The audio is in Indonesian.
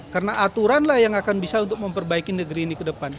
karena aturan lah yang akan bisa untuk memperbaiki negeri ini ke depan